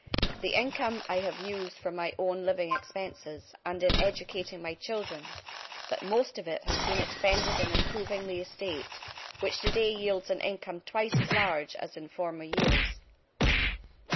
"The income I have used for my own living expenses, and in educating my children; but most of it has been expended in improving the estate, which today yields an income twice as large as in former years."